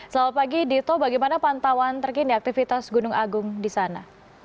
selamat pagi dito bagaimana pantauan terkini aktivitas gunung agung di sana